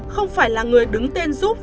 không phải là người đứng tên giúp